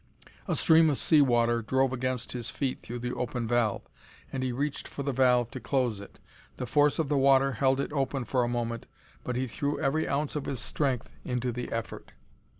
A stream of sea water drove against his feet through the open valve, and he reached for the valve to close it. The force of the water held it open for a moment, but he threw every ounce of his strength into the effort.